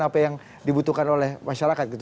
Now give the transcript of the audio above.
apa yang dibutuhkan oleh masyarakat gitu